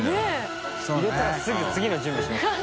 高橋）入れたらすぐ次の準備しますもんね。